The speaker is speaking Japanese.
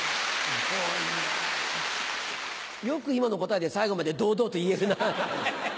よく今の答えで最後まで堂々と言えるね。